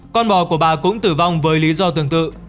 con bò của bà cũng tử vong với lý do tương tự